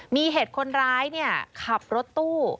มีเหตุคนร้ายขับรถตู้